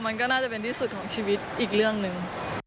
มันก็น่าจะเป็นที่สุดของชีวิตอีกเรื่องหนึ่ง